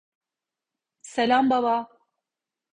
Selam baba.